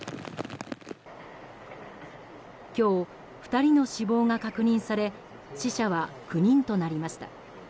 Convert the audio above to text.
今日、２人の死亡が確認され死者は９人となりました。